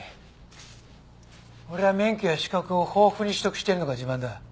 俺は免許や資格を豊富に取得してるのが自慢だ。